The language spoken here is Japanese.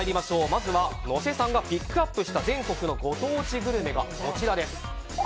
まずは野瀬さんがピックアップした全国のご当地グルメがこちらです。